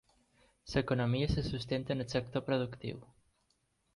L'economia se sustenta en el sector productiu.